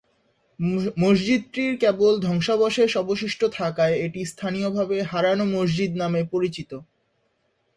মসজিদটির কেবল ধ্বংসাবশেষ অবশিষ্ট থাকায় এটি স্থানীয়ভাবে হারানো মসজিদ নামে পরিচিত।